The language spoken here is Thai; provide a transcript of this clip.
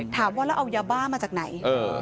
ถามว่าแล้วเอายาบ้ามาจากไหน